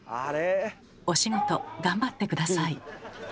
お仕事頑張って下さい。